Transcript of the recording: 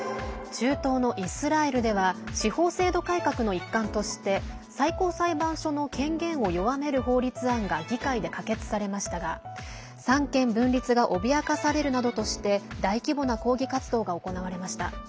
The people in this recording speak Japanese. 中東のイスラエルでは司法制度改革の一環として最高裁判所の権限を弱める法律案が議会で可決されましたが三権分立が脅かされるなどとして大規模な抗議活動が行われました。